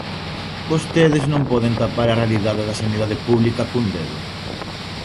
Vostedes non poden tapar a realidade da sanidade pública cun dedo.